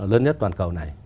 lớn nhất toàn cầu này